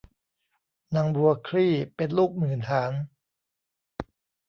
นางบัวคลี่เป็นลูกหมื่นหาญ